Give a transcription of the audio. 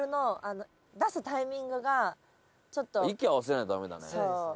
息合わせないとダメだね。